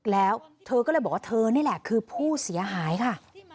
แล้วเธอก็เลยบอกว่าเธอนี่แหละคือผู้เสียหายค่ะ